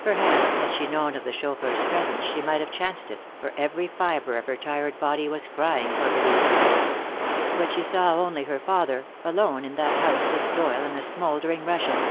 Perhaps had she known of the chauffeur's presence she might have chanced it, for every fiber of her tired body was crying for release. But she saw only her father, alone in that house with Doyle and the smoldering Russian.